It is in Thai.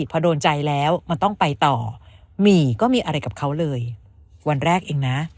พอโดนใจแล้วมันต้องไปต่อหมี่ก็มีอะไรกับเขาเลยวันแรกเองนะ